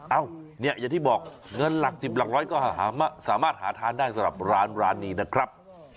อย่างที่บอกเงินหลัก๑๐หลักร้อยก็สามารถหาทานได้สำหรับร้านนี้นะครับ